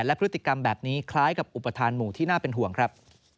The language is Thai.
และพฤติกรรมแบบนี้คล้ายกับอุปทานหมู่ที่น่าเป็นห่วงครับ